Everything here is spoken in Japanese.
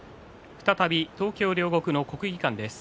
再び東京・両国の国技館です。